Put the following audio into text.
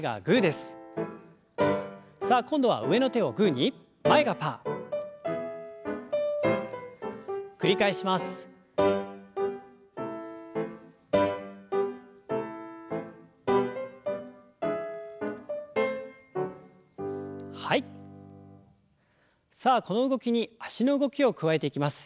さあこの動きに脚の動きを加えていきます。